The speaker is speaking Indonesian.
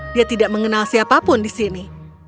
dia tidak mengenal siapapun di sini